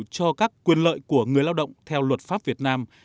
cho các quyền lợi của người lao động theo luật pháp việt nam